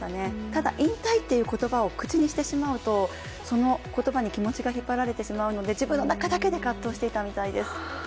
ただ、引退という言葉を口にしてしまうとその言葉に気持ちが引っ張られてしまうので自分の中だけで葛藤していたみたいです。